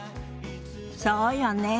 そうよねえ。